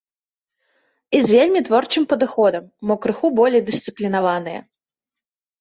І з вельмі творчым падыходам, мо крыху болей дысцыплінаваныя.